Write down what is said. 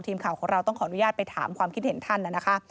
ทีมข่าวของเราต้องขออนุญาตไปถามความคิดเห็นท่านนะคะ